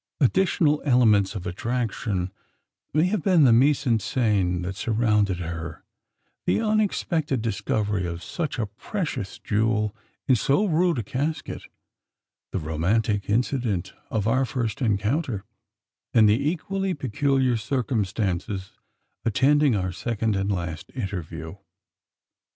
Additional elements of attraction may have been: the mise en scene that surrounded her; the unexpected discovery of such a precious jewel in so rude a casket; the romantic incident of our first encounter; and the equally peculiar circumstances attending our second and last interview.